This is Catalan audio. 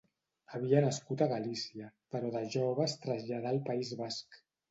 Havia nascut a Galícia, però de jove es traslladà al País Basc.